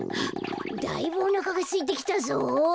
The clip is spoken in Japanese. だいぶおなかがすいてきたぞ。